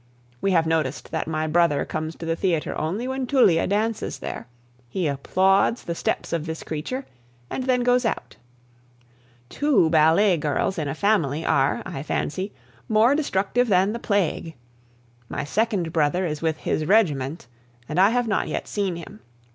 We have noticed that my brother comes to the theatre only when Tullia dances there; he applauds the steps of this creature, and then goes out. Two ballet girls in a family are, I fancy, more destructive than the plague. My second brother is with his regiment, and I have not yet seen him.